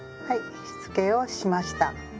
はいしつけをしました。